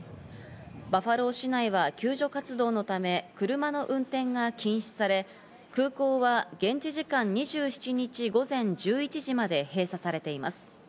バファロー市内は救助活動のため、車の運転が禁止され、空港は現地時間２７日、午前１１時まで閉鎖されています。